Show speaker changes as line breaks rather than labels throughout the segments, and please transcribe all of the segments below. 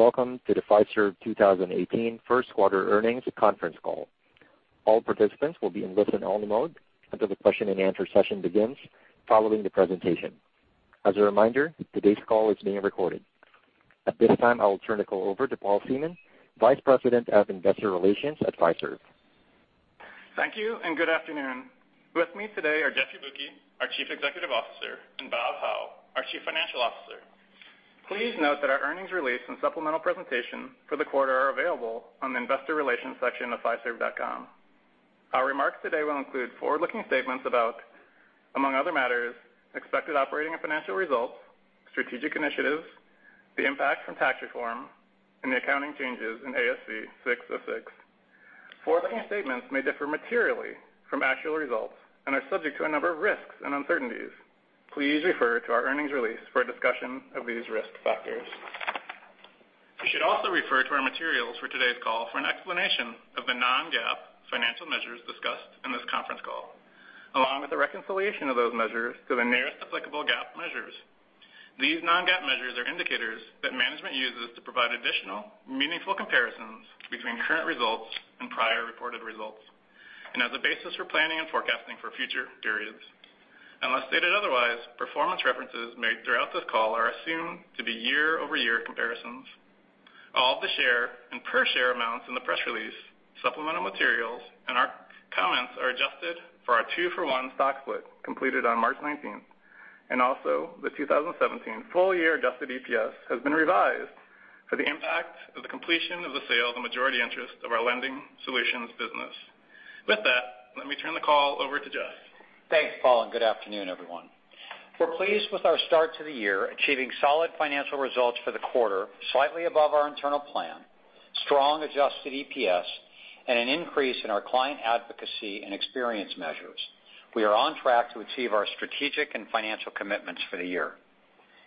Welcome to the Fiserv 2018 first quarter earnings conference call. All participants will be in listen-only mode until the question and answer session begins following the presentation. As a reminder, today's call is being recorded. At this time, I will turn the call over to Peter Simpkin, Vice President, Investor Relations at Fiserv.
Thank you. Good afternoon. With me today are Jeffery Yabuki, our Chief Executive Officer, and Robert Hau, our Chief Financial Officer. Please note that our earnings release and supplemental presentation for the quarter are available on the investor relations section of fiserv.com. Our remarks today will include forward-looking statements about, among other matters, expected operating and financial results, strategic initiatives, the impact from tax reform, and the accounting changes in ASC 606. Forward-looking statements may differ materially from actual results and are subject to a number of risks and uncertainties. Please refer to our earnings release for a discussion of these risk factors. You should also refer to our materials for today's call for an explanation of the non-GAAP financial measures discussed in this conference call, along with the reconciliation of those measures to the nearest applicable GAAP measures. These non-GAAP measures are indicators that management uses to provide additional meaningful comparisons between current results and prior reported results and as a basis for planning and forecasting for future periods. Unless stated otherwise, performance references made throughout this call are assumed to be year-over-year comparisons. All of the share and per share amounts in the press release, supplemental materials, and our comments are adjusted for our two-for-one stock split completed on March 19th, and also the 2017 full year adjusted EPS has been revised for the impact of the completion of the sale of the majority interest of our lending solutions business. With that, let me turn the call over to Jeff.
Thanks, Peter. Good afternoon, everyone. We're pleased with our start to the year, achieving solid financial results for the quarter, slightly above our internal plan, strong adjusted EPS, and an increase in our client advocacy and experience measures. We are on track to achieve our strategic and financial commitments for the year.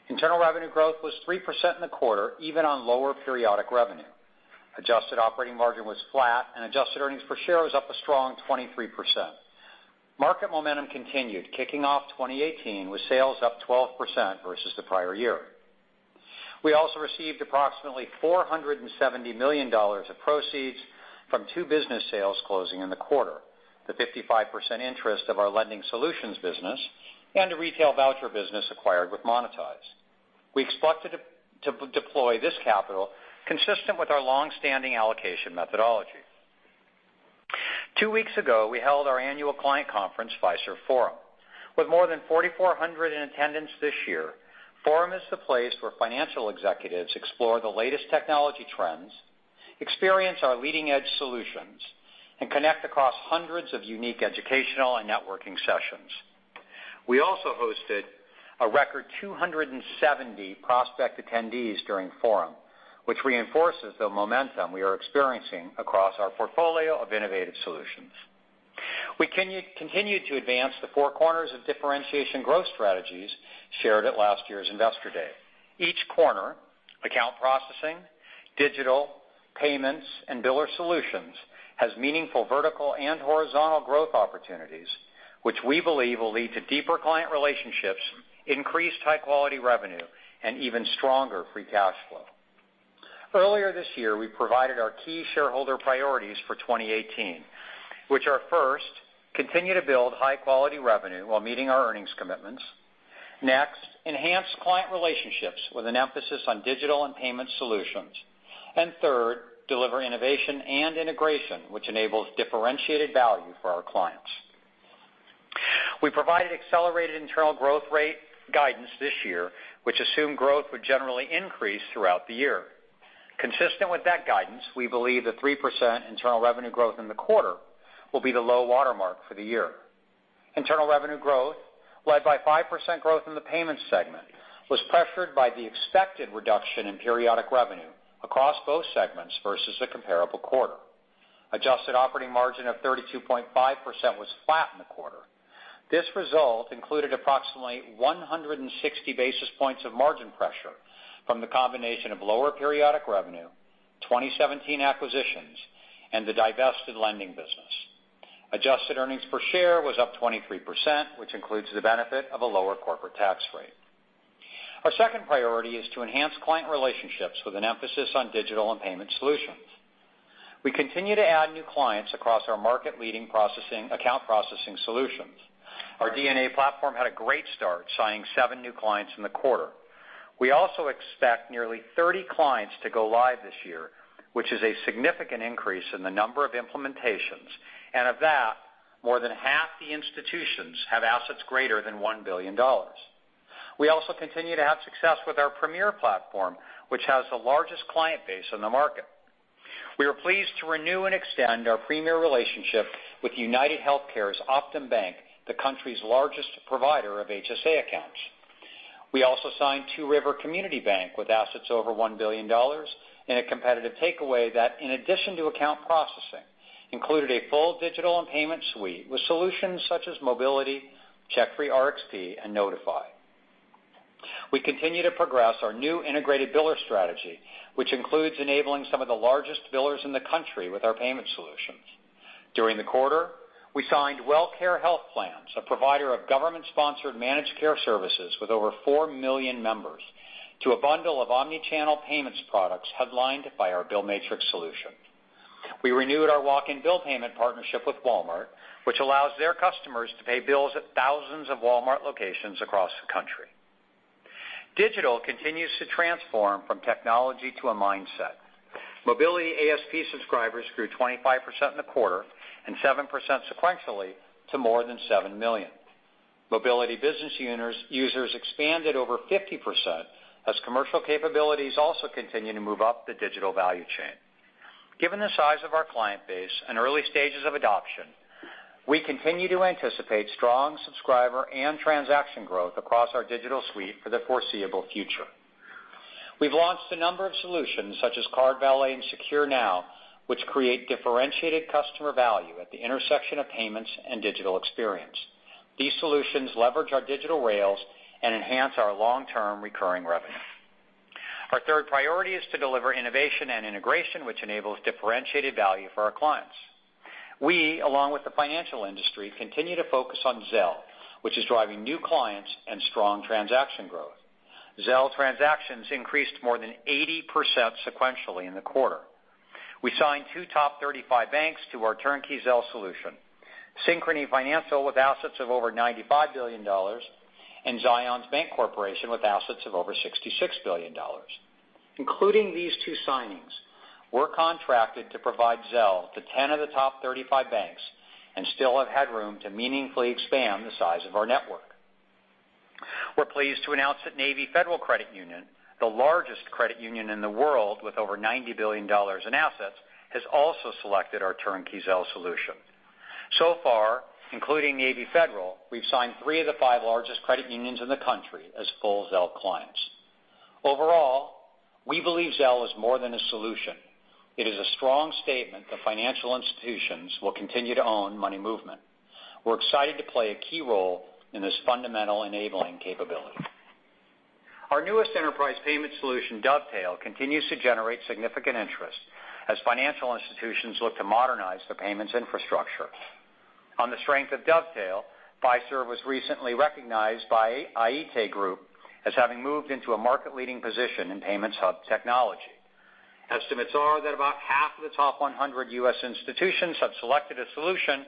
Internal revenue growth was 3% in the quarter, even on lower periodic revenue. Adjusted operating margin was flat and adjusted earnings per share was up a strong 23%. Market momentum continued, kicking off 2018 with sales up 12% versus the prior year. We also received approximately $470 million of proceeds from two business sales closing in the quarter, the 55% interest of our lending solutions business and a retail voucher business acquired with Monitise. We expect to deploy this capital consistent with our long-standing allocation methodology. Two weeks ago, we held our annual client conference, Fiserv Forum. With more than 4,400 in attendance this year, Forum is the place where financial executives explore the latest technology trends, experience our leading-edge solutions, and connect across hundreds of unique educational and networking sessions. We also hosted a record 270 prospect attendees during Forum, which reinforces the momentum we are experiencing across our portfolio of innovative solutions. We continued to advance the four corners of differentiation growth strategies shared at last year's Investor Day. Each corner, Account Processing, Digital, Payments, and Biller Solutions, has meaningful vertical and horizontal growth opportunities, which we believe will lead to deeper client relationships, increased high-quality revenue, and even stronger free cash flow. Earlier this year, we provided our key shareholder priorities for 2018, which are first, continue to build high-quality revenue while meeting our earnings commitments. Next, enhance client relationships with an emphasis on Digital and Payment solutions. Third, deliver innovation and integration, which enables differentiated value for our clients. We provided accelerated internal growth rate guidance this year, which assumed growth would generally increase throughout the year. Consistent with that guidance, we believe the 3% internal revenue growth in the quarter will be the low water mark for the year. Internal revenue growth, led by 5% growth in the Payments segment, was pressured by the expected reduction in periodic revenue across both segments versus the comparable quarter. Adjusted operating margin of 32.5% was flat in the quarter. This result included approximately 160 basis points of margin pressure from the combination of lower periodic revenue, 2017 acquisitions, and the divested lending business. Adjusted earnings per share was up 23%, which includes the benefit of a lower corporate tax rate. Our second priority is to enhance client relationships with an emphasis on Digital and Payment solutions. We continue to add new clients across our market-leading Account Processing solutions. Our DNA platform had a great start, signing seven new clients in the quarter. We also expect nearly 30 clients to go live this year, which is a significant increase in the number of implementations. Of that, more than half the institutions have assets greater than $1 billion. We also continue to have success with our Premier platform, which has the largest client base in the market. We are pleased to renew and extend our Premier relationship with UnitedHealthcare's Optum Bank, the country's largest provider of HSA accounts. We also signed Two River Community Bank with assets over $1 billion in a competitive takeaway that, in addition to Account Processing, included a full Digital and Payment suite with solutions such as Mobiliti, CheckFree RXP, and Notifi. We continue to progress our new integrated Biller strategy, which includes enabling some of the largest billers in the country with our Payment solutions. During the quarter, we signed WellCare Health Plans, a provider of government-sponsored managed care services with over four million members, to a bundle of omni-channel payments products headlined by our BillMatrix solution. We renewed our walk-in bill payment partnership with Walmart, which allows their customers to pay bills at thousands of Walmart locations across the country. Digital continues to transform from technology to a mindset. Mobiliti ASP subscribers grew 25% in the quarter and 7% sequentially to more than seven million. Mobiliti business users expanded over 50% as commercial capabilities also continue to move up the Digital value chain. Given the size of our client base and early stages of adoption, we continue to anticipate strong subscriber and transaction growth across our digital suite for the foreseeable future. We've launched a number of solutions such as CardValet and SecureNow, which create differentiated customer value at the intersection of payments and digital experience. These solutions leverage our digital rails and enhance our long-term recurring revenue. Our third priority is to deliver innovation and integration, which enables differentiated value for our clients. We, along with the financial industry, continue to focus on Zelle, which is driving new clients and strong transaction growth. Zelle transactions increased more than 80% sequentially in the quarter. We signed two top 35 banks to our turnkey Zelle solution, Synchrony Financial, with assets of over $95 billion, and Zions Bancorporation with assets of over $66 billion. Including these two signings, we're contracted to provide Zelle to 10 of the top 35 banks and still have headroom to meaningfully expand the size of our network. We're pleased to announce that Navy Federal Credit Union, the largest credit union in the world with over $90 billion in assets, has also selected our turnkey Zelle solution. So far, including Navy Federal, we've signed three of the five largest credit unions in the country as full Zelle clients. Overall, we believe Zelle is more than a solution. It is a strong statement that financial institutions will continue to own money movement. We're excited to play a key role in this fundamental enabling capability. Our newest enterprise payment solution, Dovetail, continues to generate significant interest as financial institutions look to modernize their payments infrastructure. On the strength of Dovetail, Fiserv was recently recognized by Aite Group as having moved into a market-leading position in payments hub technology. Estimates are that about half of the top 100 U.S. institutions have selected a solution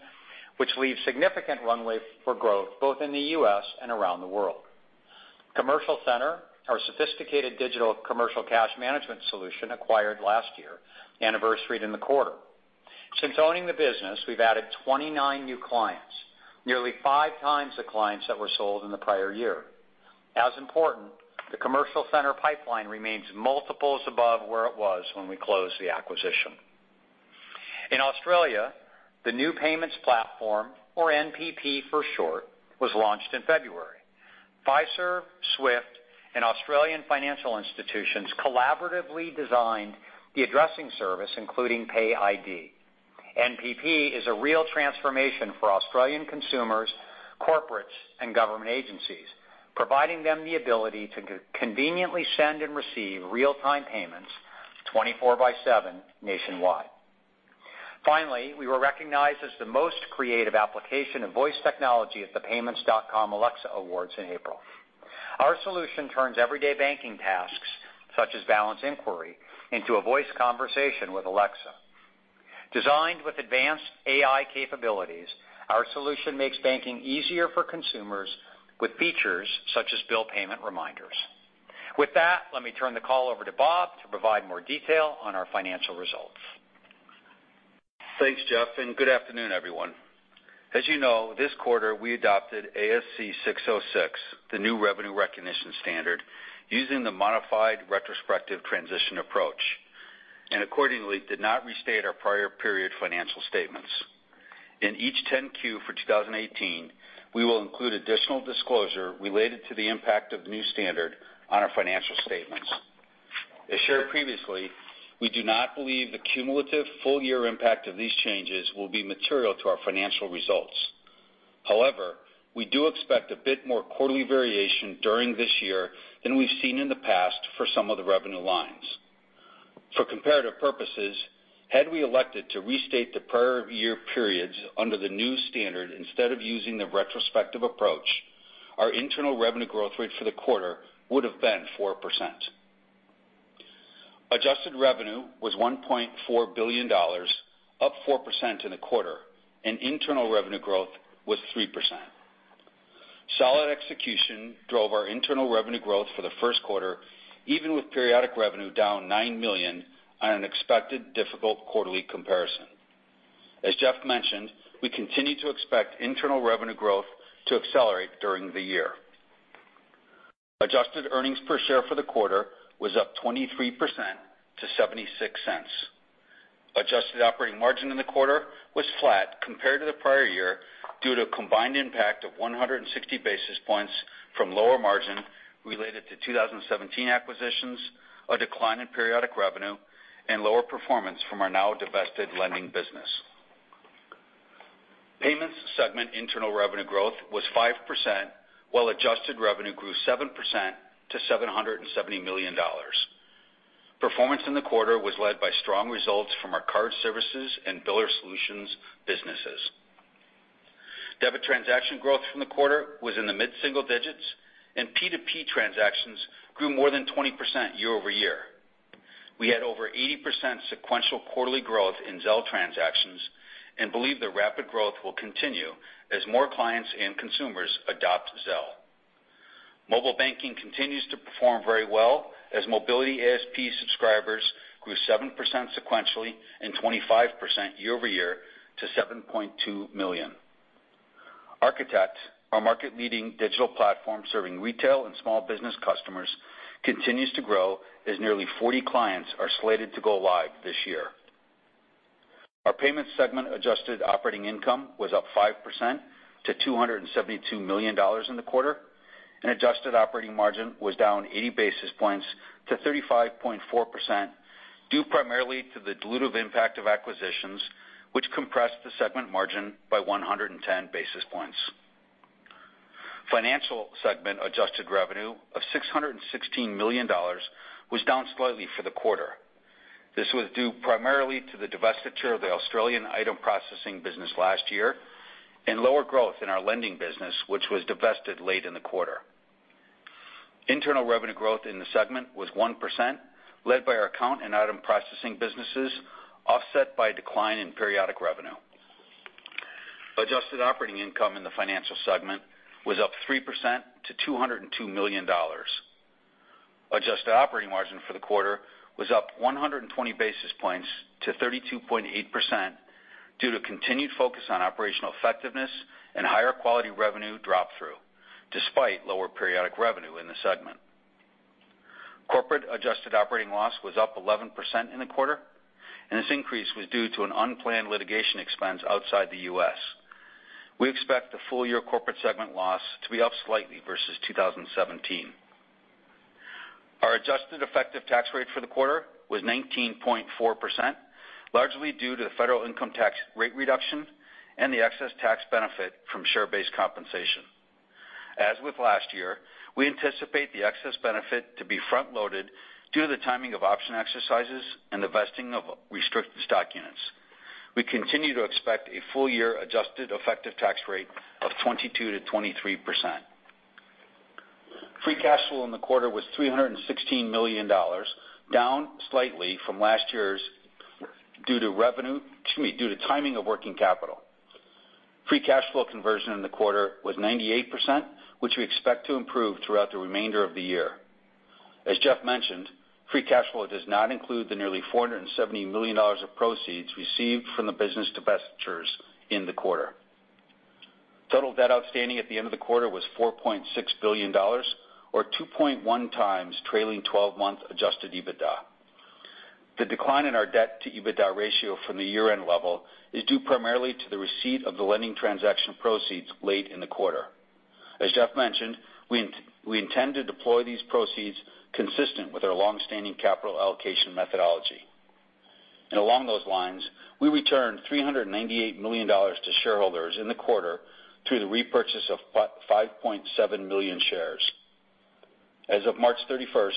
which leaves significant runway for growth both in the U.S. and around the world. Commercial Center, our sophisticated digital commercial cash management solution acquired last year, anniversaried in the quarter. Since owning the business, we've added 29 new clients, nearly five times the clients that were sold in the prior year. As important, the Commercial Center pipeline remains multiples above where it was when we closed the acquisition. In Australia, the New Payments Platform, or NPP for short, was launched in February. Fiserv, SWIFT, and Australian financial institutions collaboratively designed the addressing service, including PayID. NPP is a real transformation for Australian consumers, corporates, and government agencies, providing them the ability to conveniently send and receive real-time payments 24 by seven nationwide. Finally, we were recognized as the most creative application of voice technology at the PYMNTS.com Alexa Awards in April. Our solution turns everyday banking tasks, such as balance inquiry, into a voice conversation with Alexa. Designed with advanced AI capabilities, our solution makes banking easier for consumers with features such as bill payment reminders. With that, let me turn the call over to Bob to provide more detail on our financial results.
Thanks, Jeff, and good afternoon, everyone. As you know, this quarter we adopted ASC 606, the new revenue recognition standard, using the modified retrospective transition approach. Accordingly, did not restate our prior period financial statements. In each 10-Q for 2018, we will include additional disclosure related to the impact of the new standard on our financial statements. As shared previously, we do not believe the cumulative full-year impact of these changes will be material to our financial results. However, we do expect a bit more quarterly variation during this year than we've seen in the past for some of the revenue lines. For comparative purposes, had we elected to restate the prior year periods under the new standard instead of using the retrospective approach, our internal revenue growth rate for the quarter would've been 4%. Adjusted revenue was $1.4 billion, up 4% in the quarter. Internal revenue growth was 3%. Solid execution drove our internal revenue growth for the first quarter, even with periodic revenue down $9 million on an expected difficult quarterly comparison. As Jeff mentioned, we continue to expect internal revenue growth to accelerate during the year. Adjusted earnings per share for the quarter was up 23% to $0.76. Adjusted operating margin in the quarter was flat compared to the prior year due to a combined impact of 160 basis points from lower margin related to 2017 acquisitions, a decline in periodic revenue, and lower performance from our now divested lending business. Payments segment internal revenue growth was 5%. Adjusted revenue grew 7% to $770 million. Performance in the quarter was led by strong results from our Card Services and biller solutions businesses. Debit transaction growth from the quarter was in the mid-single digits. P2P transactions grew more than 20% year-over-year. We had over 80% sequential quarterly growth in Zelle transactions and believe the rapid growth will continue as more clients and consumers adopt Zelle. Mobile banking continues to perform very well as Mobiliti as a Platform subscribers grew 7% sequentially and 25% year-over-year to 7.2 million. Architect, our market-leading digital platform serving retail and small business customers, continues to grow as nearly 40 clients are slated to go live this year. Our payments segment adjusted operating income was up 5% to $272 million in the quarter. Adjusted operating margin was down 80 basis points to 35.4%, due primarily to the dilutive impact of acquisitions, which compressed the segment margin by 110 basis points. Financial segment adjusted revenue of $616 million was down slightly for the quarter. This was due primarily to the divestiture of the Australian item processing business last year and lower growth in our lending business, which was divested late in the quarter. Internal revenue growth in the segment was 1%, led by our account and item processing businesses, offset by a decline in periodic revenue. Adjusted operating income in the financial segment was up 3% to $202 million. Adjusted operating margin for the quarter was up 120 basis points to 32.8% due to continued focus on operational effectiveness and higher quality revenue drop through, despite lower periodic revenue in the segment. Corporate adjusted operating loss was up 11% in the quarter. This increase was due to an unplanned litigation expense outside the U.S. We expect the full-year corporate segment loss to be up slightly versus 2017. Our adjusted effective tax rate for the quarter was 19.4%, largely due to the federal income tax rate reduction and the excess tax benefit from share-based compensation. As with last year, we anticipate the excess benefit to be front-loaded due to the timing of option exercises and the vesting of restricted stock units. We continue to expect a full-year adjusted effective tax rate of 22%-23%. Free cash flow in the quarter was $316 million, down slightly from last year's due to timing of working capital. Free cash flow conversion in the quarter was 98%, which we expect to improve throughout the remainder of the year. As Jeff mentioned, free cash flow does not include the nearly $470 million of proceeds received from the business divestitures in the quarter. Total debt outstanding at the end of the quarter was $4.6 billion or 2.1 times trailing 12-month adjusted EBITDA. The decline in our debt-to-EBITDA ratio from the year-end level is due primarily to the receipt of the lending transaction proceeds late in the quarter. Along those lines, we returned $398 million to shareholders in the quarter through the repurchase of 5.7 million shares. As of March 31st,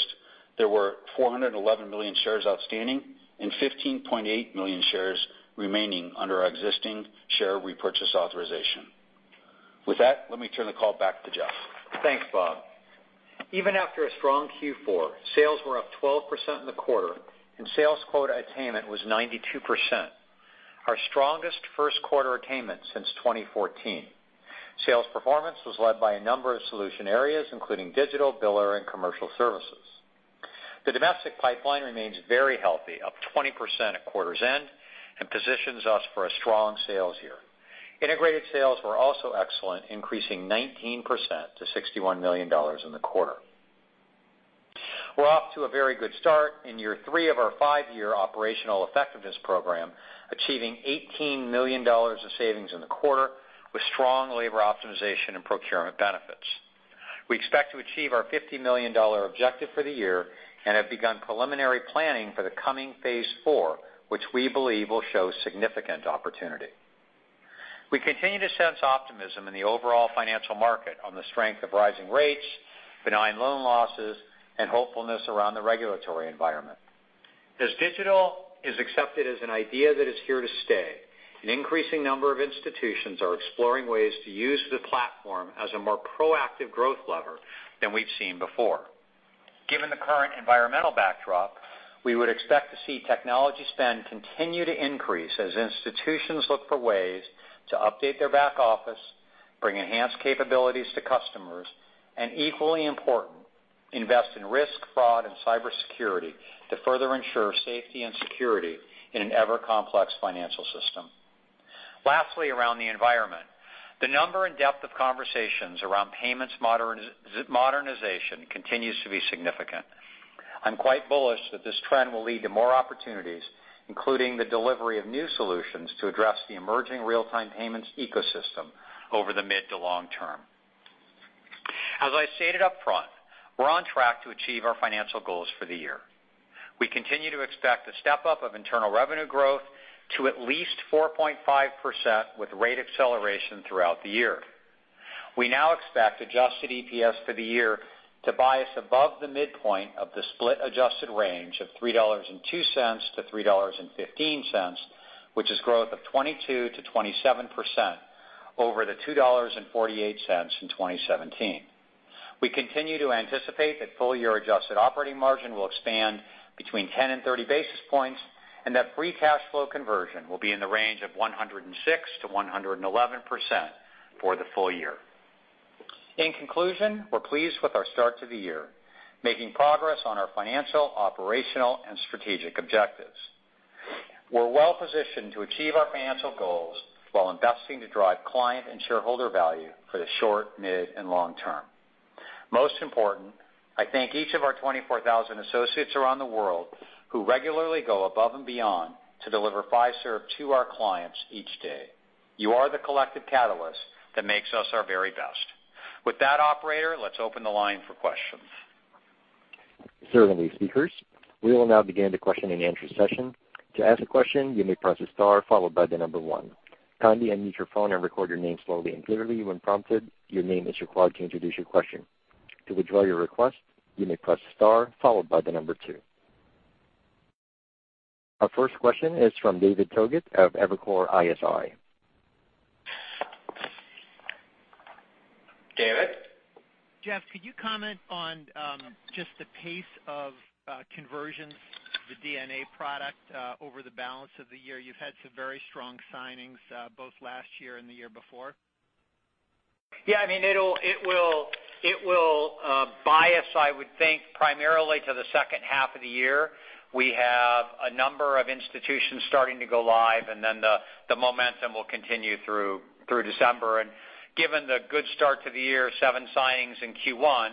there were 411 million shares outstanding and 15.8 million shares remaining under our existing share repurchase authorization. With that, let me turn the call back to Bob.
Thanks, Bob. Even after a strong Q4, sales were up 12% in the quarter, and sales quota attainment was 92%, our strongest first quarter attainment since 2014. Sales performance was led by a number of solution areas, including digital, biller, and commercial services. The domestic pipeline remains very healthy, up 20% at quarter's end, and positions us for a strong sales year. Integrated sales were also excellent, increasing 19% to $61 million in the quarter. We're off to a very good start in year three of our five-year operational effectiveness program, achieving $18 million of savings in the quarter with strong labor optimization and procurement benefits. We expect to achieve our $50 million objective for the year and have begun preliminary planning for the coming phase 4, which we believe will show significant opportunity. We continue to sense optimism in the overall financial market on the strength of rising rates, benign loan losses, and hopefulness around the regulatory environment. As digital is accepted as an idea that is here to stay, an increasing number of institutions are exploring ways to use the platform as a more proactive growth lever than we've seen before. Given the current environmental backdrop, we would expect to see technology spend continue to increase as institutions look for ways to update their back office, bring enhanced capabilities to customers, and equally important, invest in risk, fraud, and cybersecurity to further ensure safety and security in an ever-complex financial system. Lastly, around the environment, the number and depth of conversations around payments modernization continues to be significant. I'm quite bullish that this trend will lead to more opportunities, including the delivery of new solutions to address the emerging real-time payments ecosystem over the mid to long term. As I stated upfront, we're on track to achieve our financial goals for the year. We continue to expect a step-up of internal revenue growth to at least 4.5% with rate acceleration throughout the year. We now expect adjusted EPS for the year to bias above the midpoint of the split adjusted range of $3.02-$3.15, which is growth of 22%-27% over the $2.48 in 2017. We continue to anticipate that full-year adjusted operating margin will expand between 10 and 30 basis points, and that free cash flow conversion will be in the range of 106%-111% for the full year. In conclusion, we're pleased with our start to the year, making progress on our financial, operational, and strategic objectives. We're well-positioned to achieve our financial goals while investing to drive client and shareholder value for the short, mid, and long term. Most important, I thank each of our 24,000 associates around the world who regularly go above and beyond to deliver Fiserv to our clients each day. You are the collective catalyst that makes us our very best. With that operator, let's open the line for questions.
Sir, the speakers, we will now begin the question and answer session. To ask a question, you may press star followed by the number one. Kindly unmute your phone and record your name slowly and clearly when prompted. Your name is required to introduce your question. To withdraw your request, you may press star followed by the number two. Our first question is from David Togut of Evercore ISI.
David?
Jeffery, could you comment on just the pace of conversions of the DNA product over the balance of the year? You've had some very strong signings both last year and the year before.
Yeah, it will bias, I would think, primarily to the second half of the year. We have a number of institutions starting to go live, the momentum will continue through December. Given the good start to the year, seven signings in Q1,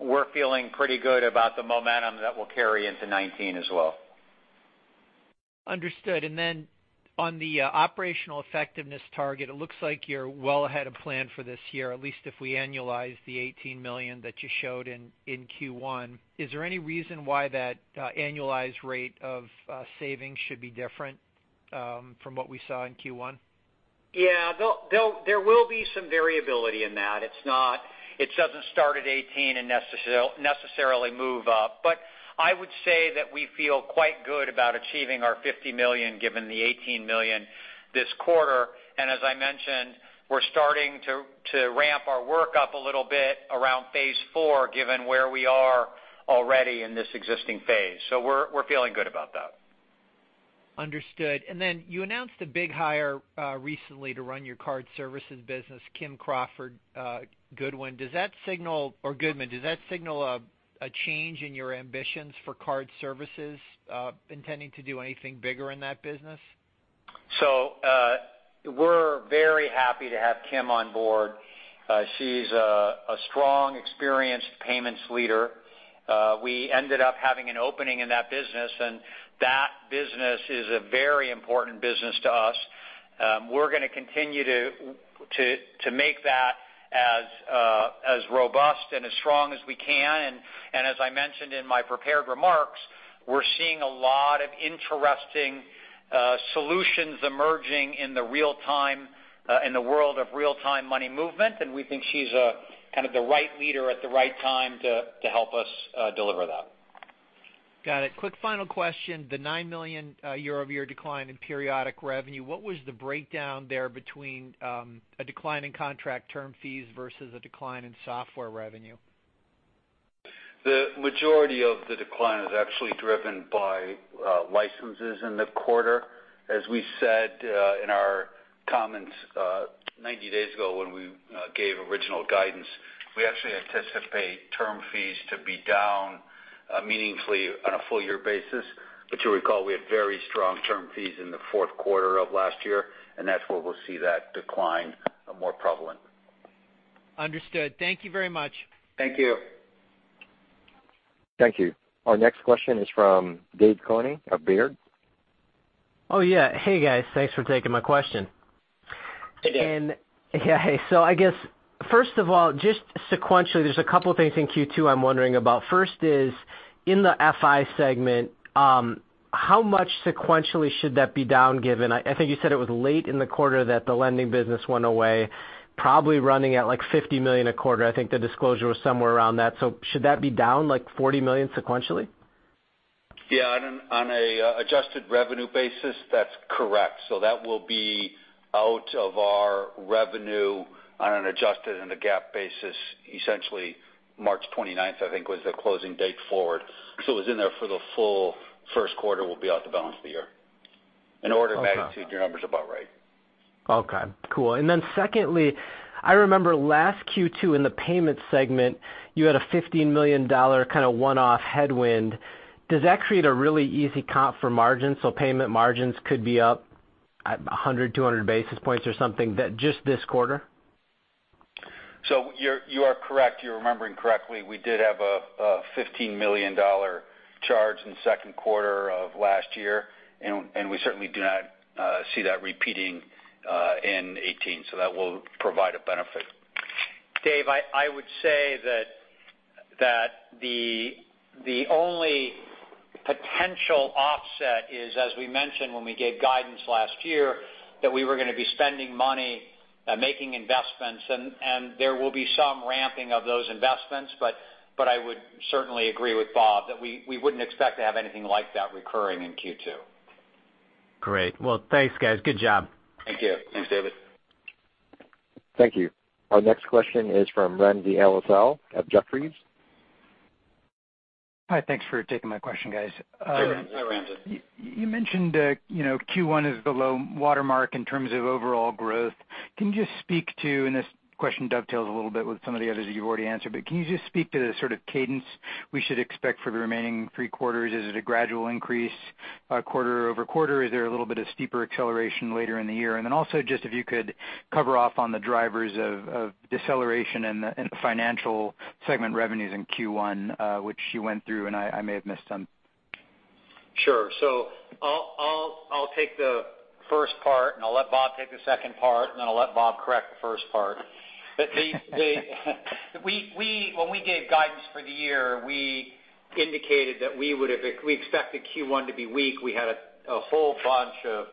we're feeling pretty good about the momentum that we'll carry into 2019 as well.
Understood. On the operational effectiveness target, it looks like you're well ahead of plan for this year, at least if we annualize the $18 million that you showed in Q1. Is there any reason why that annualized rate of savings should be different from what we saw in Q1?
Yeah. There will be some variability in that. It doesn't start at $18 and necessarily move up. I would say that we feel quite good about achieving our $50 million given the $18 million this quarter. As I mentioned, we're starting to ramp our work up a little bit around phase 4, given where we are already in this existing phase. We're feeling good about that.
Understood. You announced a big hire recently to run your Card Services business, Kim Crawford Goodman. Does that signal a change in your ambitions for Card Services? Intending to do anything bigger in that business?
We're very happy to have Kim on board. She's a strong, experienced payments leader. We ended up having an opening in that business, and that business is a very important business to us. We're going to continue to make that as robust and as strong as we can. As I mentioned in my prepared remarks, we're seeing a lot of interesting solutions emerging in the world of real-time money movement, and we think she's the right leader at the right time to help us deliver that.
Got it. Quick final question. The $9 million year-over-year decline in periodic revenue, what was the breakdown there between a decline in contract term fees versus a decline in software revenue?
The majority of the decline is actually driven by licenses in the quarter. As we said in our comments 90 days ago when we gave original guidance, we actually anticipate term fees to be down meaningfully on a full-year basis. You'll recall we had very strong term fees in the fourth quarter of last year, and that's where we'll see that decline more prevalent.
Understood. Thank you very much.
Thank you.
Thank you. Our next question is from David Koning of Baird.
Oh yeah. Hey, guys. Thanks for taking my question.
Hey, Dave.
Yeah. Hey. I guess first of all, just sequentially, there's a couple of things in Q2 I'm wondering about. First is, in the FI segment, how much sequentially should that be down given? I think you said it was late in the quarter that the lending business went away, probably running at like $50 million a quarter. I think the disclosure was somewhere around that. Should that be down like $40 million sequentially?
Yeah. On an adjusted revenue basis, that's correct. That will be out of our revenue on an adjusted and a GAAP basis. Essentially March 29th, I think was the closing date forward. It was in there for the full first quarter, will be out the balance of the year. In order of magnitude, your number's about right.
Okay. Cool. Secondly, I remember last Q2 in the payments segment, you had a $15 million kind of one-off headwind. Does that create a really easy comp for margins, so payment margins could be up 100, 200 basis points or something just this quarter?
You are correct. You're remembering correctly. We did have a $15 million charge in the second quarter of last year, and we certainly do not see that repeating in 2018. That will provide a benefit.
Dave, I would say that the only potential offset is, as we mentioned when we gave guidance last year, that we were going to be spending money and making investments, and there will be some ramping of those investments. I would certainly agree with Bob that we wouldn't expect to have anything like that recurring in Q2.
Great. Well, thanks, guys. Good job.
Thank you.
Thanks, David.
Thank you. Our next question is from Ramsey El-Assal of Jefferies.
Hi. Thanks for taking my question, guys.
Hi, Ramsey.
You mentioned Q1 is the low watermark in terms of overall growth. This question dovetails a little bit with some of the others that you've already answered, but can you just speak to the sort of cadence we should expect for the remaining three quarters? Is it a gradual increase quarter-over-quarter? Is there a little bit of steeper acceleration later in the year? Then also just if you could cover off on the drivers of deceleration in the financial segment revenues in Q1, which you went through, and I may have missed some.
Sure. I'll take the first part, and I'll let Bob take the second part, I'll let Bob correct the first part. When we gave guidance for the year, we indicated that we expected Q1 to be weak. We had a whole bunch of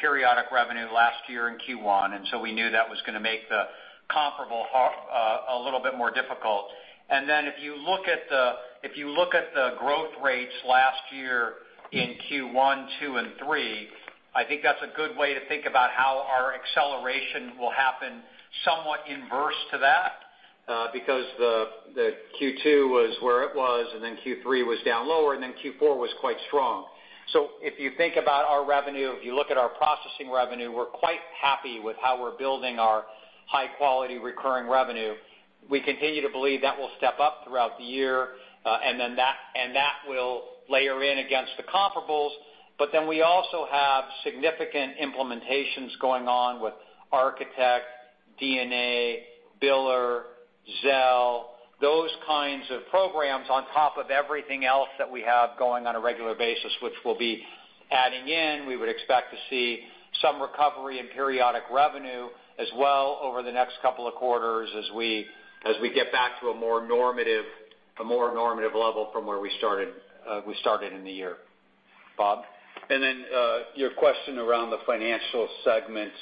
periodic revenue last year in Q1, we knew that was going to make the comparable a little bit more difficult. If you look at the growth rates last year in Q1, 2, and 3, I think that's a good way to think about how our acceleration will happen somewhat inverse to that because the Q2 was where it was, Q3 was down lower, Q4 was quite strong. If you think about our revenue, if you look at our processing revenue, we're quite happy with how we're building our high-quality recurring revenue. We continue to believe that will step up throughout the year, and that will layer in against the comparables. We also have significant implementations going on with Architect, DNA, BillMatrix, Zelle, those kinds of programs on top of everything else that we have going on a regular basis, which we'll be adding in. We would expect to see some recovery in periodic revenue as well over the next couple of quarters as we get back to a more normative level from where we started in the year. Bob?
Your question around the financial segment.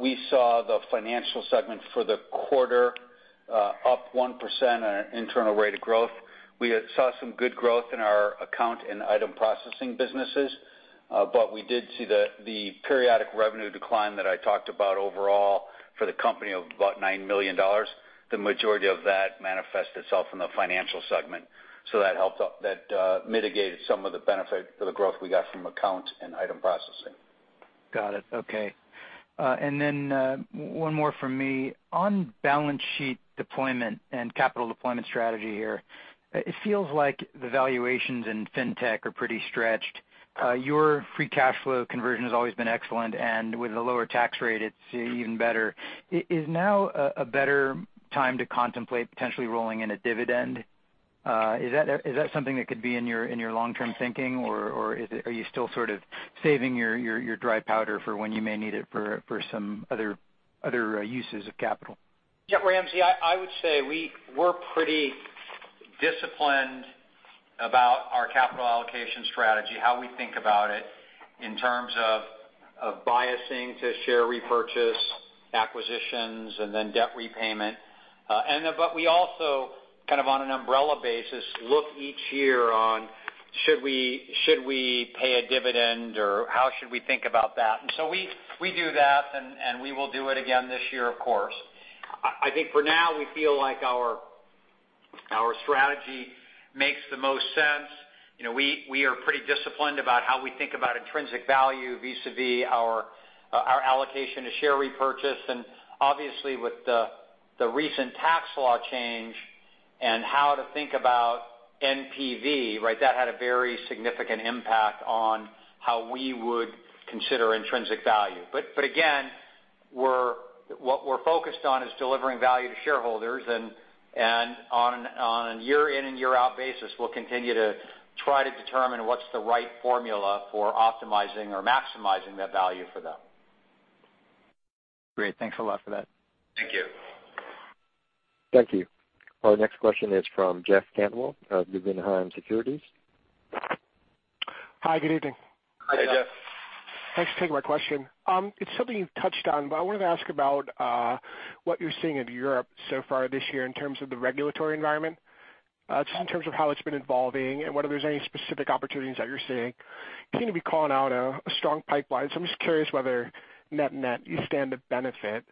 We saw the financial segment for the quarter up 1% on an internal rate of growth. We saw some good growth in our account and item processing businesses. We did see the periodic revenue decline that I talked about overall for the company of about $9 million. The majority of that manifests itself in the financial segment. That mitigated some of the benefit of the growth we got from accounts and item processing.
Got it. Okay. One more from me. On balance sheet deployment and capital deployment strategy here, it feels like the valuations in fintech are pretty stretched. Your free cash flow conversion has always been excellent, and with the lower tax rate, it's even better. Is now a better time to contemplate potentially rolling in a dividend? Is that something that could be in your long-term thinking, or are you still sort of saving your dry powder for when you may need it for some other uses of capital?
Yeah, Ramsey, I would say we're pretty disciplined about our capital allocation strategy, how we think about it in terms of biasing to share repurchase, acquisitions, and then debt repayment. We also kind of on an umbrella basis look each year on should we pay a dividend or how should we think about that. We do that, and we will do it again this year, of course. I think for now, we feel like our strategy makes the most sense. We are pretty disciplined about how we think about intrinsic value vis-a-vis our allocation to share repurchase. Obviously with the recent tax law change and how to think about NPV, that had a very significant impact on how we would consider intrinsic value. Again, what we're focused on is delivering value to shareholders. On a year in and year out basis, we'll continue to try to determine what's the right formula for optimizing or maximizing that value for them.
Great. Thanks a lot for that.
Thank you.
Thank you. Our next question is from Jeff Cantwell of Guggenheim Securities.
Hi, good evening.
Hi, Jeff.
Hi, Jeff.
Thanks for taking my question. I wanted to ask about what you're seeing in Europe so far this year in terms of the regulatory environment. In terms of how it's been evolving and whether there's any specific opportunities that you're seeing. I'm just curious whether net net you stand to benefit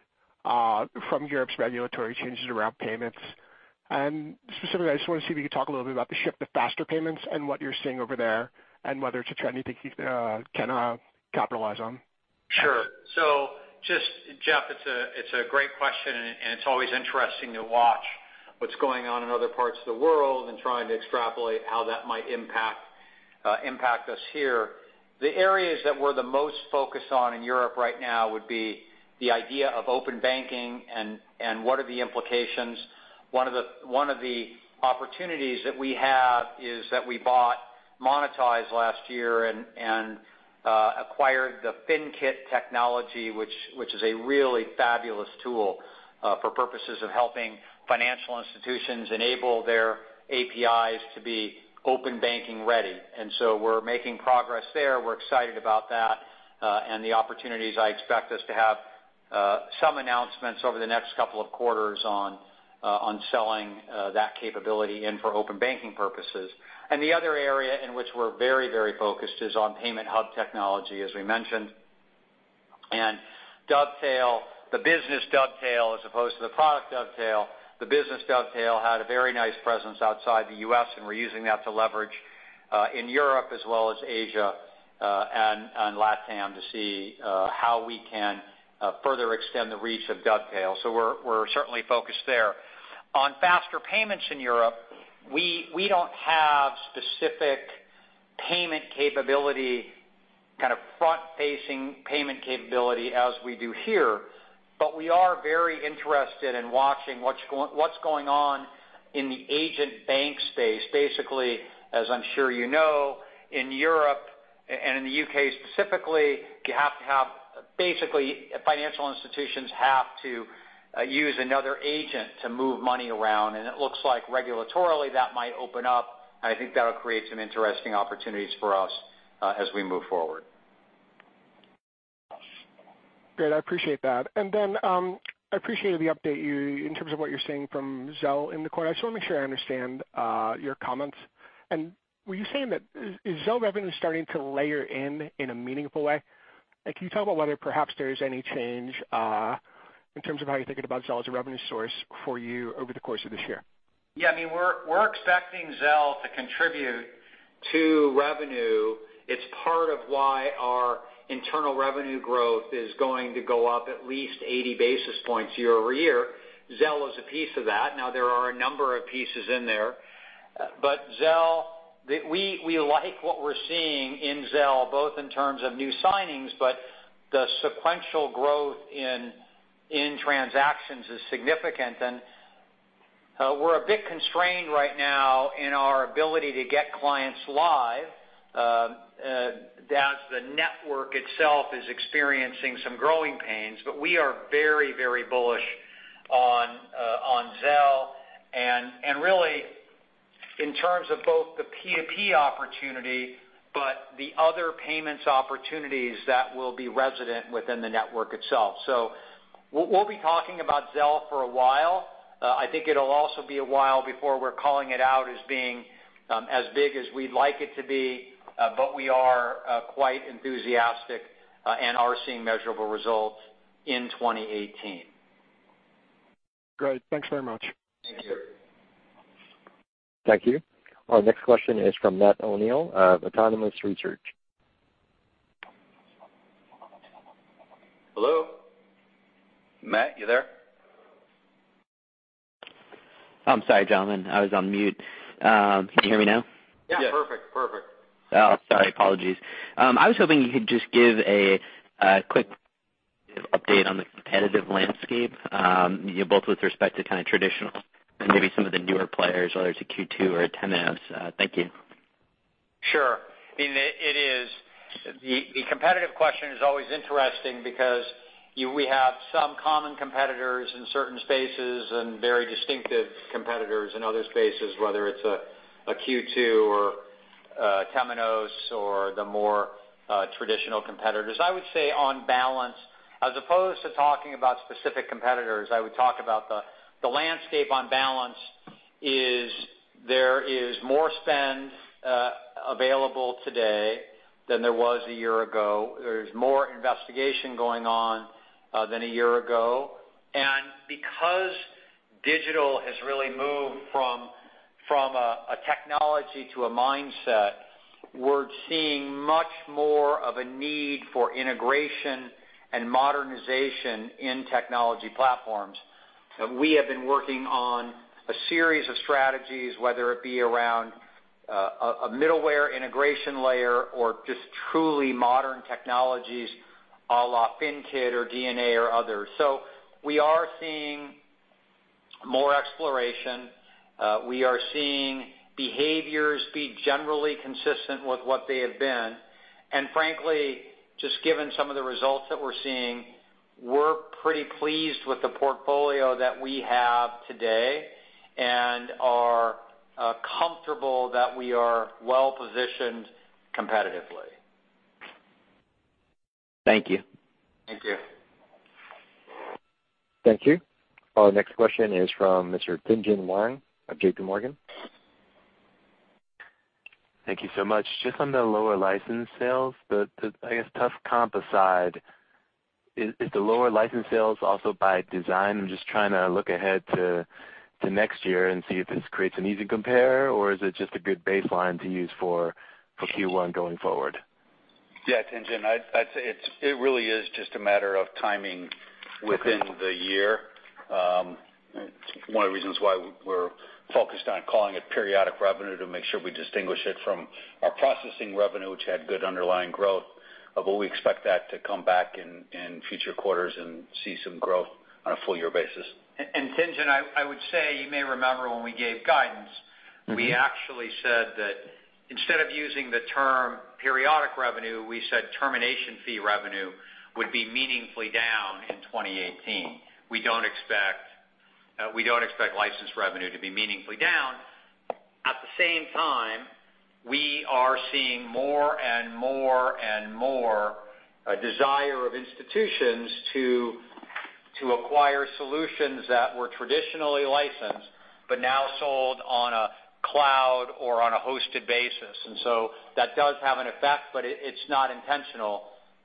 from Europe's regulatory changes around payments. Specifically, I just want to see if you could talk a little bit about the shift to faster payments and what you're seeing over there, and whether it's a trend you think you can capitalize on.
Sure. Just Jeff, it's a great question, and it's always interesting to watch what's going on in other parts of the world and trying to extrapolate how that might impact us here. The areas that we're the most focused on in Europe right now would be the idea of open banking and what are the implications. One of the opportunities that we have is that we bought Monitise last year and acquired the FinKit technology, which is a really fabulous tool for purposes of helping financial institutions enable their APIs to be open banking ready. We're making progress there. We're excited about that. The opportunities I expect us to have some announcements over the next couple of quarters on selling that capability and for open banking purposes. The other area in which we're very focused is on payment hub technology, as we mentioned. Dovetail, the business Dovetail, as opposed to the product Dovetail, the business Dovetail had a very nice presence outside the U.S., and we're using that to leverage in Europe as well as Asia and Latam to see how we can further extend the reach of Dovetail. We're certainly focused there. On faster payments in Europe, we don't have specific payment capability, kind of front-facing payment capability as we do here. We are very interested in watching what's going on in the agent bank space. Basically, as I'm sure you know, in Europe and in the U.K. specifically, financial institutions have to use another agent to move money around, and it looks like regulatorily that might open up, and I think that'll create some interesting opportunities for us as we move forward.
Great. I appreciate that. I appreciated the update in terms of what you're seeing from Zelle in the quarter. I just want to make sure I understand your comments. Were you saying that is Zelle revenue starting to layer in in a meaningful way? Can you talk about whether perhaps there is any change in terms of how you're thinking about Zelle as a revenue source for you over the course of this year?
Yeah. We're expecting Zelle to contribute to revenue. It's part of why our internal revenue growth is going to go up at least 80 basis points year-over-year. Zelle is a piece of that. There are a number of pieces in there. We like what we're seeing in Zelle, both in terms of new signings, but the sequential growth in transactions is significant. We're a bit constrained right now in our ability to get clients live as the network itself is experiencing some growing pains. We are very bullish on Zelle and really in terms of both the P2P opportunity but the other payments opportunities that will be resident within the network itself. We'll be talking about Zelle for a while. I think it'll also be a while before we're calling it out as being as big as we'd like it to be. We are quite enthusiastic and are seeing measurable results in 2018.
Great. Thanks very much.
Thank you.
Thank you. Our next question is from Matthew O'Neill of Autonomous Research.
Hello? Matt, you there?
I'm sorry, gentlemen. I was on mute. Can you hear me now?
Yeah, perfect.
Yes.
Oh, sorry. Apologies. I was hoping you could just give a quick update on the competitive landscape both with respect to kind of traditional and maybe some of the newer players, whether it's a Q2 or a Temenos. Thank you.
Sure. The competitive question is always interesting because we have some common competitors in certain spaces and very distinctive competitors in other spaces, whether it's a Q2 or a Temenos or the more traditional competitors. I would say on balance, as opposed to talking about specific competitors, I would talk about the landscape on balance is there is more spend available today than there was a year ago. There's more investigation going on than a year ago. Because digital has really moved from a technology to a mindset, we're seeing much more of a need for integration and modernization in technology platforms. We have been working on a series of strategies, whether it be around a middleware integration layer or just truly modern technologies a la FinKit or DNA or others. We are seeing more exploration. We are seeing behaviors be generally consistent with what they have been. Frankly, just given some of the results that we're seeing, we're pretty pleased with the portfolio that we have today and are comfortable that we are well-positioned competitively.
Thank you.
Thank you.
Thank you. Our next question is from Mr. Tien-Tsin Huang of JPMorgan.
Thank you so much. Just on the lower license sales, I guess tough comp aside, is the lower license sales also by design? I'm just trying to look ahead to next year and see if this creates an easy compare, or is it just a good baseline to use for Q1 going forward?
Yeah. Tien-Tsin, I'd say it really is just a matter of timing within the year. One of the reasons why we're focused on calling it periodic revenue to make sure we distinguish it from our processing revenue, which had good underlying growth. We expect that to come back in future quarters and see some growth on a full year basis.
Tien-Tsin, I would say you may remember when we gave guidance, we actually said that instead of using the term periodic revenue, we said termination fee revenue would be meaningfully down in 2018. We don't expect license revenue to be meaningfully down. At the same time, we are seeing more and more desire of institutions to acquire solutions that were traditionally licensed, but now sold on a cloud or on a hosted basis. That does have an effect, but it's not intentional.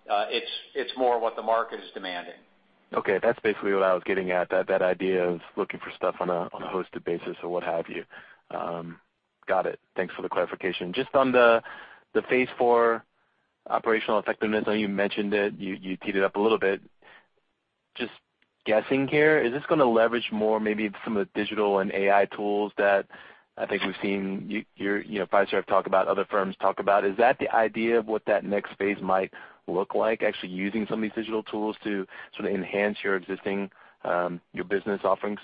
It's more what the market is demanding.
Okay, that's basically what I was getting at, that idea of looking for stuff on a hosted basis or what have you. Got it. Thanks for the clarification. Just on the phase 4 operational effectiveness. I know you mentioned it. You teed it up a little bit. Just guessing here, is this going to leverage more maybe some of the digital and AI tools that I think we've seen Fiserv talk about, other firms talk about? Is that the idea of what that next phase might look like, actually using some of these digital tools to sort of enhance your existing business offerings?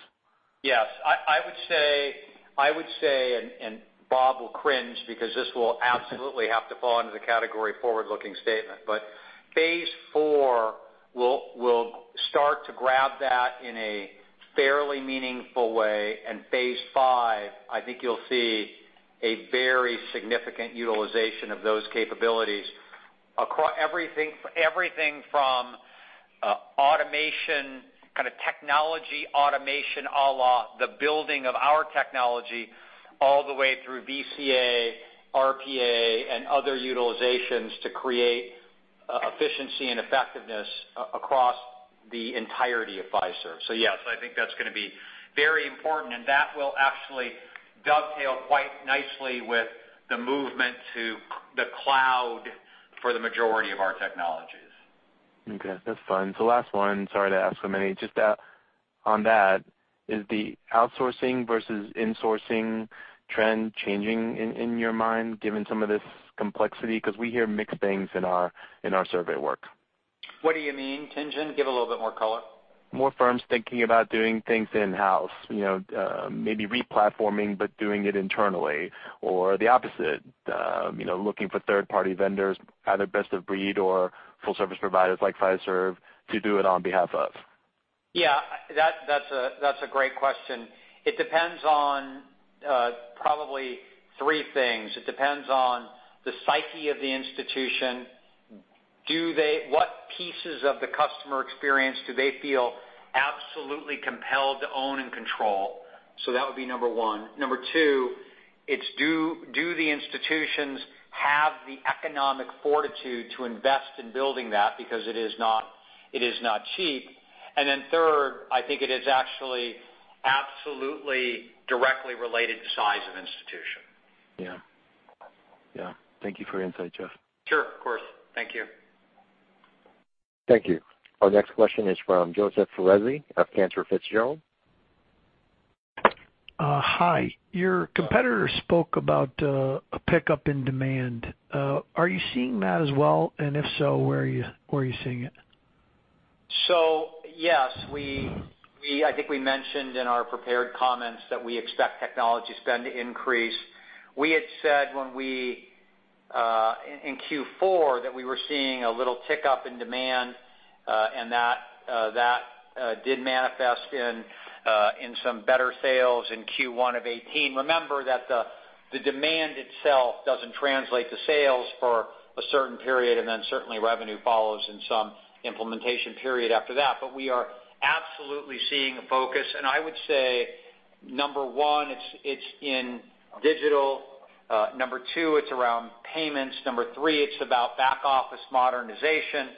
Yes. I would say, Bob will cringe because this will absolutely have to fall under the category forward-looking statement, but phase 4 will start to grab that in a fairly meaningful way. Phase 5, I think you'll see a very significant utilization of those capabilities. Everything from automation, kind of technology automation, a la the building of our technology, all the way through VCA, RPA, and other utilizations to create efficiency and effectiveness across the entirety of Fiserv. Yes, I think that's going to be very important, and that will actually Dovetail quite nicely with the movement to the cloud for the majority of our technologies.
Okay, that's fine. Last one. Sorry to ask so many. Just on that, is the outsourcing versus insourcing trend changing in your mind, given some of this complexity? Because we hear mixed things in our survey work.
What do you mean, Tien-Tsin? Give a little bit more color.
More firms thinking about doing things in-house. Maybe re-platforming, but doing it internally. Or the opposite, looking for third-party vendors, either best of breed or full service providers like Fiserv to do it on behalf of.
Yeah. That's a great question. It depends on probably three things. It depends on the psyche of the institution. What pieces of the customer experience do they feel absolutely compelled to own and control? That would be number one. Number two, it's do the institutions have the economic fortitude to invest in building that? Because it is not cheap. Third, I think it is actually absolutely directly related to size of institution.
Yeah. Thank you for your insight, Jeff.
Sure, of course. Thank you.
Thank you. Our next question is from Joseph Foresi of Cantor Fitzgerald.
Hi. Your competitor spoke about a pickup in demand. Are you seeing that as well? If so, where are you seeing it?
Yes. I think we mentioned in our prepared comments that we expect technology spend to increase. We had said in Q4 that we were seeing a little tick up in demand, and that did manifest in some better sales in Q1 of 2018. Remember that the demand itself doesn't translate to sales for a certain period, and then certainly revenue follows in some implementation period after that. We are absolutely seeing a focus. I would say, number 1, it's in digital. Number 2, it's around payments. Number 3, it's about back-office modernization.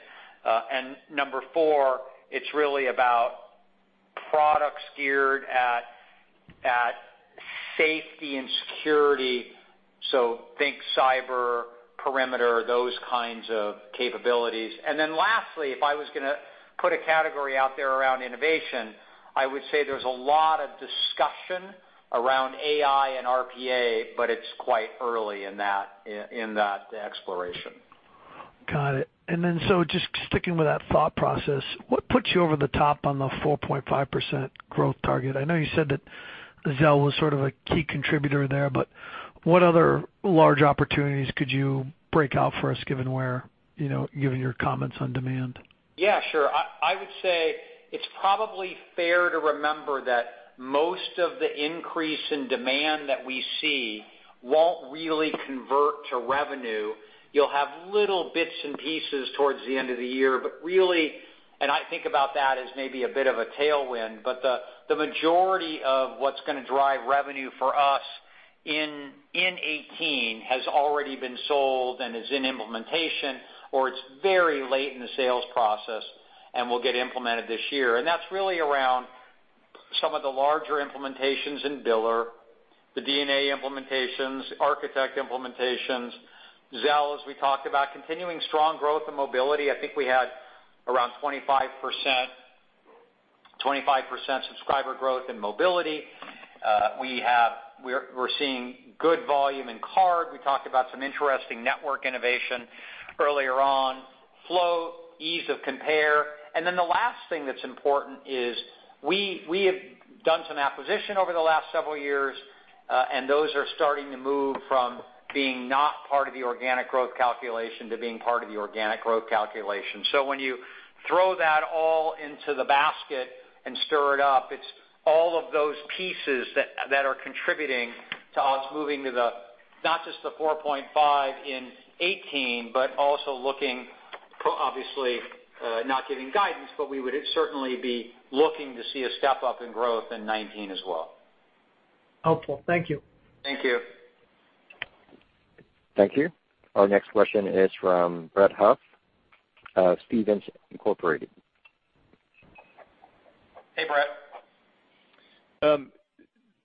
Number 4, it's really about products geared at safety and security. Think cyber perimeter, those kinds of capabilities. Lastly, if I was going to put a category out there around innovation, I would say there's a lot of discussion around AI and RPA, but it's quite early in that exploration.
Got it. Just sticking with that thought process, what puts you over the top on the 4.5% growth target? I know you said that Zelle was sort of a key contributor there, but what other large opportunities could you break out for us, given your comments on demand?
Yeah, sure. I would say it's probably fair to remember that most of the increase in demand that we see won't really convert to revenue. You'll have little bits and pieces towards the end of the year. I think about that as maybe a bit of a tailwind, but the majority of what's going to drive revenue for us in 2018 has already been sold and is in implementation, or it's very late in the sales process and will get implemented this year. That's really around some of the larger implementations in biller, the DNA implementations, Architect implementations, Zelle, as we talked about, continuing strong growth in Mobiliti. I think we had around 25% subscriber growth in Mobiliti. We're seeing good volume in cloud. We talked about some interesting network innovation earlier on. Flow, [ease of compare]. The last thing that's important is we have done some acquisition over the last several years, and those are starting to move from being not part of the organic growth calculation to being part of the organic growth calculation. When you throw that all into the basket and stir it up, it's all of those pieces that are contributing to us moving to not just the 4.5 in 2018, but also looking, obviously, not giving guidance, but we would certainly be looking to see a step up in growth in 2019 as well.
Helpful. Thank you.
Thank you.
Thank you. Our next question is from Brett Huff of Stephens Inc..
Hey, Brett.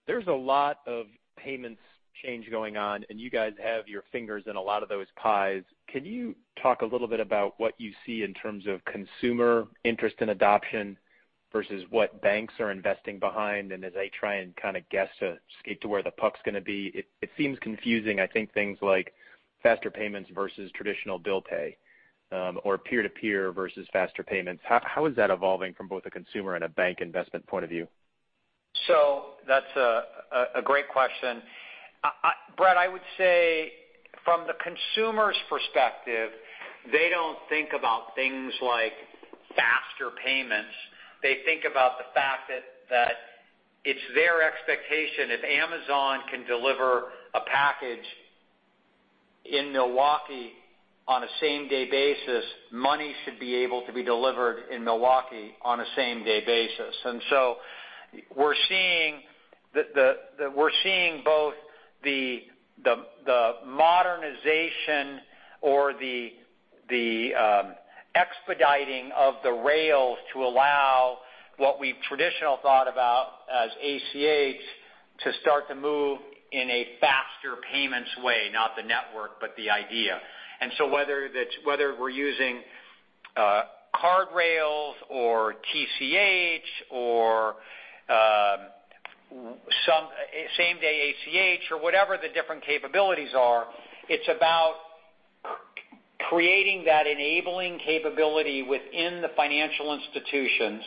There's a lot of payments change going on, and you guys have your fingers in a lot of those pies. Can you talk a little bit about what you see in terms of consumer interest and adoption versus what banks are investing behind? As I try and kind of guess to skate to where the puck's going to be, it seems confusing. I think things like faster payments versus traditional bill pay, or peer-to-peer versus faster payments. How is that evolving from both a consumer and a bank investment point of view?
That's a great question. Brett, I would say from the consumer's perspective, they don't think about things like faster payments. They think about the fact that it's their expectation. If Amazon can deliver a package in Milwaukee on a same-day basis, money should be able to be delivered in Milwaukee on a same-day basis. We're seeing both the modernization or the expediting of the rails to allow what we've traditionally thought about as ACH to start to move in a faster payments way, not the network, but the idea. Whether we're using card rails or TCH or same-day ACH or whatever the different capabilities are, it's about creating that enabling capability within the financial institutions,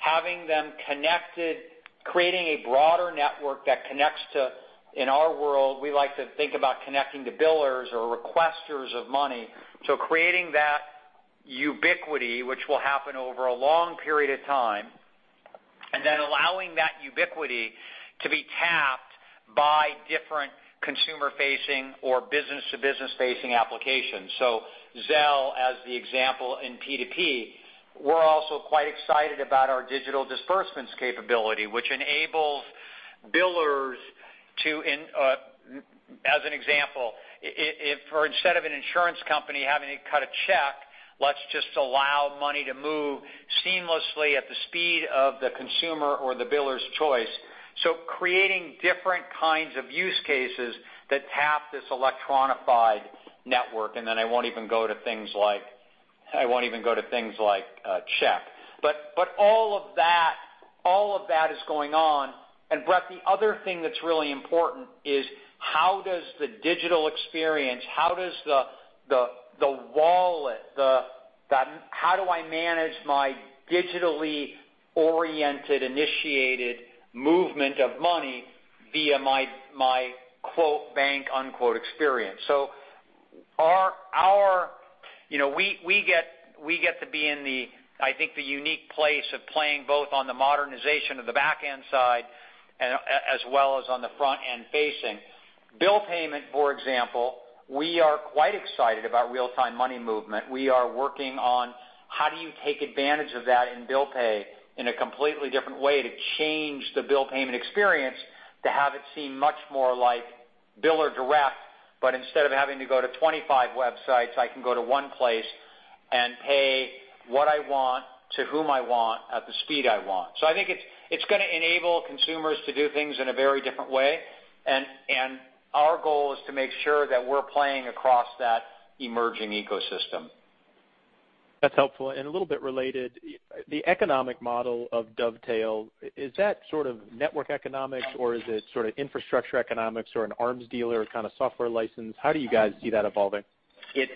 having them connected, creating a broader network that connects to, in our world, we like to think about connecting to billers or requesters of money. Creating that ubiquity, which will happen over a long period of time, and then allowing that ubiquity to be tapped by different consumer-facing or business-to-business facing applications. Zelle as the example in P2P. We're also quite excited about our digital disbursements capability, which enables billers to, as an example, if for instead of an insurance company having to cut a check, let's just allow money to move seamlessly at the speed of the consumer or the biller's choice. Creating different kinds of use cases that tap this electronified network. Then I won't even go to things like check. All of that is going on. Brett, the other thing that's really important is how does the digital experience, how does the wallet, how do I manage my digitally oriented, initiated movement of money via my "bank" experience. We get to be in, I think, the unique place of playing both on the modernization of the back-end side as well as on the front-end facing. Bill payment, for example, we are quite excited about real-time money movement. We are working on how do you take advantage of that in bill pay in a completely different way to change the bill payment experience to have it seem much more like biller direct, but instead of having to go to 25 websites, I can go to one place and pay what I want to whom I want at the speed I want. I think it's going to enable consumers to do things in a very different way. Our goal is to make sure that we're playing across that emerging ecosystem.
That's helpful. A little bit related, the economic model of Dovetail, is that sort of network economics or is it sort of infrastructure economics or an arms dealer kind of software license? How do you guys see that evolving?
It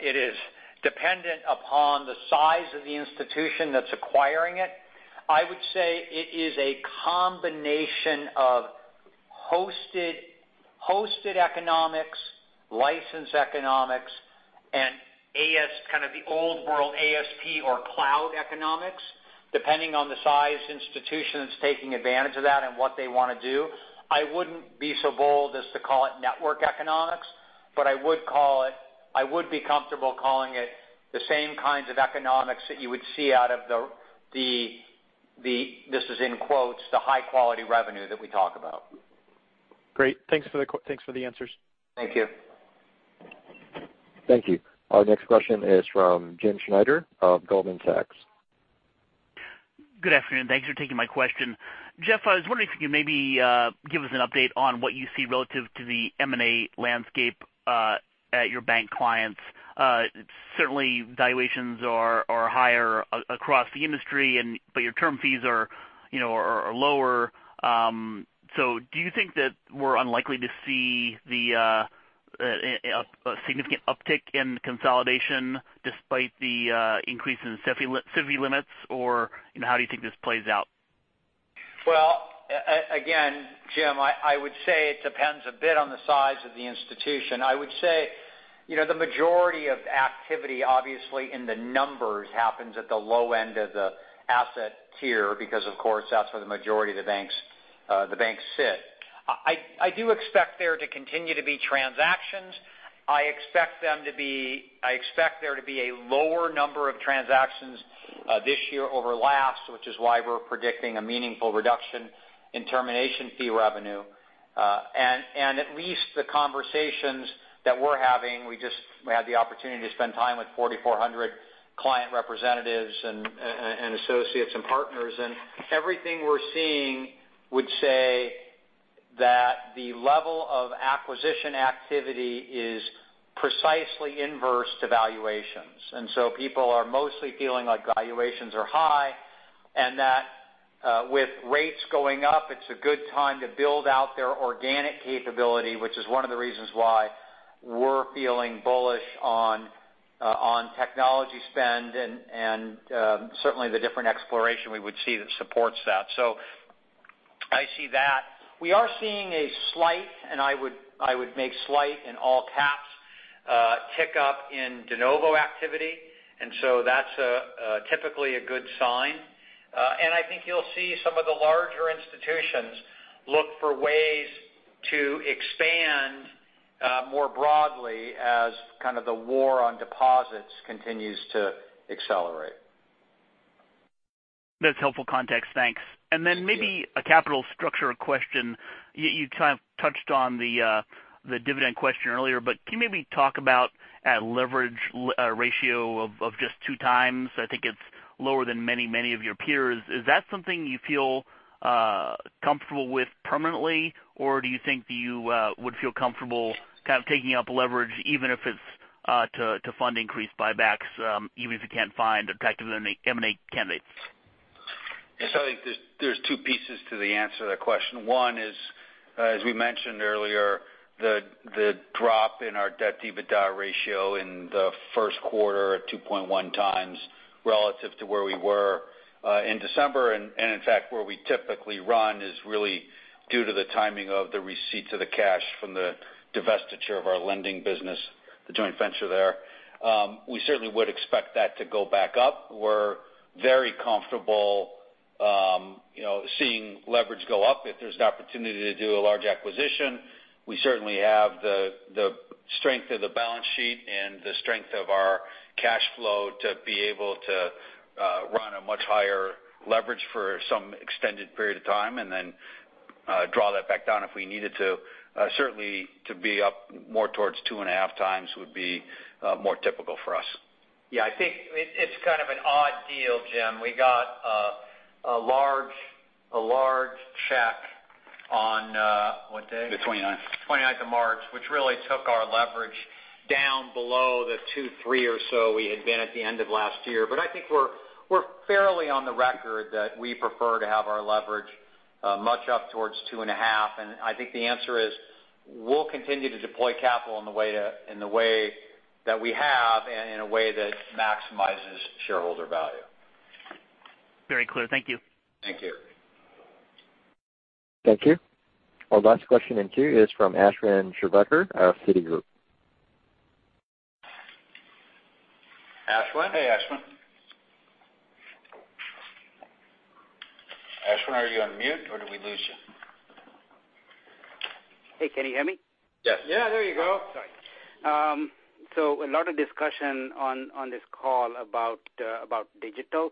is dependent upon the size of the institution that's acquiring it. I would say it is a combination of hosted economics, license economics, and kind of the old world ASP or cloud economics, depending on the size institution that's taking advantage of that and what they want to do. I wouldn't be so bold as to call it network economics, but I would be comfortable calling it the same kinds of economics that you would see out of the, this is in quotes, "the high quality revenue" that we talk about.
Great. Thanks for the answers.
Thank you.
Thank you. Our next question is from James Schneider of Goldman Sachs.
Good afternoon. Thanks for taking my question. Jeff, I was wondering if you could maybe give us an update on what you see relative to the M&A landscape at your bank clients. Certainly valuations are higher across the industry, but your term fees are lower. Do you think that we're unlikely to see a significant uptick in consolidation despite the increase in CECL limits, or how do you think this plays out?
Well, again, Jim, I would say it depends a bit on the size of the institution. I would say, the majority of activity, obviously in the numbers, happens at the low end of the asset tier because, of course, that's where the majority of the banks sit. I do expect there to continue to be transactions. I expect there to be a lower number of transactions this year over last, which is why we're predicting a meaningful reduction in termination fee revenue. At least the conversations that we're having, we just had the opportunity to spend time with 4,400 client representatives and associates and partners, and everything we're seeing would say that the level of acquisition activity is precisely inverse to valuations. People are mostly feeling like valuations are high and that with rates going up, it's a good time to build out their organic capability, which is one of the reasons why we're feeling bullish on technology spend and certainly the different exploration we would see that supports that. I see that. We are seeing a slight, and I would make slight in all caps, tick up in de novo activity, that's typically a good sign. I think you'll see some of the larger institutions look for ways to expand more broadly as kind of the war on deposits continues to accelerate.
That's helpful context. Thanks. Then maybe a capital structure question. You kind of touched on the dividend question earlier, but can you maybe talk about at leverage ratio of just 2 times, I think it's lower than many of your peers. Is that something you feel comfortable with permanently, or do you think that you would feel comfortable kind of taking up leverage even if it's to fund increased buybacks even if you can't find attractive M&A candidates?
Yes, I think there's two pieces to the answer to that question. One is, as we mentioned earlier, the drop in our debt-to-EBITDA ratio in the first quarter at 2.1 times relative to where we were in December, and in fact where we typically run is really due to the timing of the receipts of the cash from the divestiture of our lending business, the joint venture there. We certainly would expect that to go back up. We're very comfortable seeing leverage go up. If there's an opportunity to do a large acquisition, we certainly have the strength of the balance sheet and the strength of our cash flow to be able to run a much higher leverage for some extended period of time and then draw that back down if we needed to. Certainly to be up more towards two and a half times would be more typical for us.
Yeah, I think it's kind of an odd deal, Jim. We got a large check on, what day?
The 29th.
29th of March, which really took our leverage down below the 2, 3 or so we had been at the end of last year. I think we're fairly on the record that we prefer to have our leverage much up towards 2.5. I think the answer is, we'll continue to deploy capital in the way that we have and in a way that maximizes shareholder value.
Very clear. Thank you.
Thank you.
Thank you. Our last question in queue is from Ashwin Shirvaikar of Citigroup.
Ashwin?
Hey, Ashwin. Ashwin, are you on mute or did we lose you?
Hey, can you hear me?
Yes.
Yeah, there you go.
Sorry. A lot of discussion on this call about digital.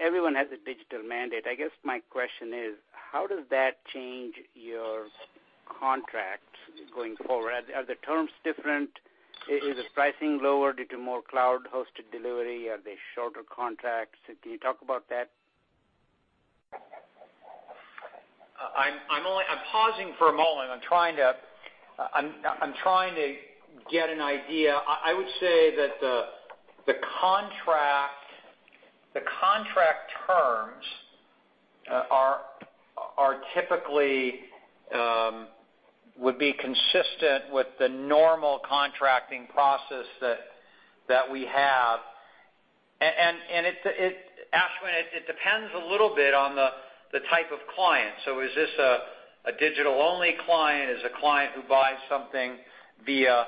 Everyone has a digital mandate. I guess my question is, how does that change your contracts going forward? Are the terms different? Is the pricing lower due to more cloud-hosted delivery? Are they shorter contracts? Can you talk about that?
I'm pausing for a moment. I'm trying to get an idea. I would say that the contract terms typically would be consistent with the normal contracting process that we have. Ashwin, it depends a little bit on the type of client. Is this a digital-only client? Is it a client who buys something via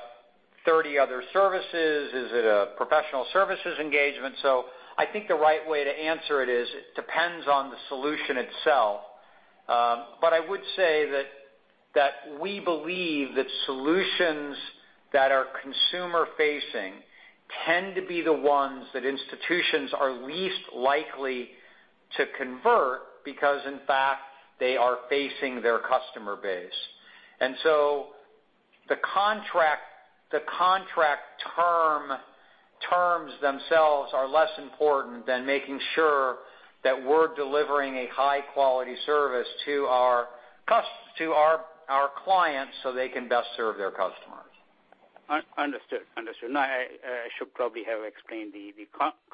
30 other services? Is it a professional services engagement? I think the right way to answer it is, it depends on the solution itself. I would say that we believe that solutions that are consumer facing tend to be the ones that institutions are least likely to convert because in fact, they are facing their customer base. The contract terms themselves are less important than making sure that we're delivering a high-quality service to our clients so they can best serve their customers.
Understood. I should probably have explained the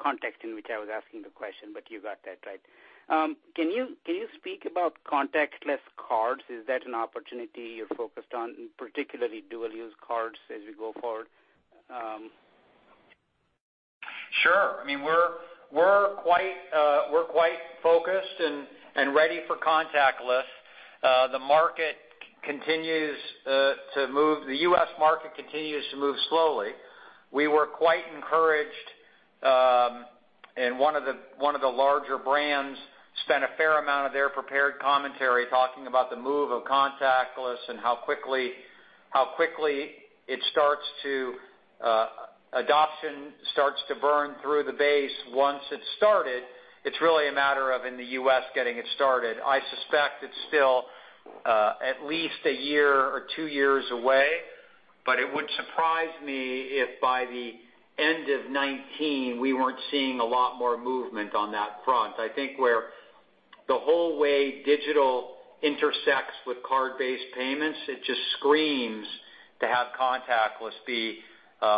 context in which I was asking the question, but you got that right. Can you speak about contactless cards? Is that an opportunity you're focused on, particularly dual-use cards as we go forward?
Sure. We're quite focused and ready for contactless. The U.S. market continues to move slowly. We were quite encouraged, and one of the larger brands spent a fair amount of their prepared commentary talking about the move of contactless and how quickly adoption starts to burn through the base once it's started. It's really a matter of in the U.S. getting it started. I suspect it's still at least a year or two years away, but it wouldn't surprise me if by the end of 2019 we weren't seeing a lot more movement on that front. I think where the whole way digital intersects with card-based payments, it just screams to have contactless be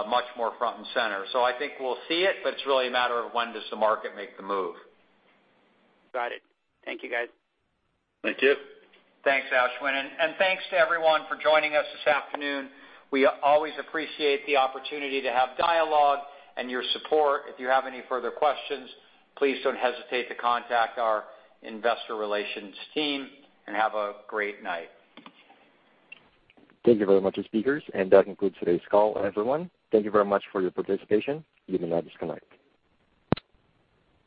much more front and center. I think we'll see it, but it's really a matter of when does the market make the move.
Got it. Thank you guys.
Thank you.
Thanks, Ashwin. Thanks to everyone for joining us this afternoon. We always appreciate the opportunity to have dialogue and your support. If you have any further questions, please don't hesitate to contact our investor relations team, and have a great night.
Thank you very much speakers. That concludes today's call. Everyone, thank you very much for your participation. You may now disconnect.